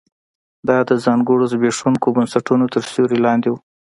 دا د ځانګړو زبېښونکو بنسټونو تر سیوري لاندې و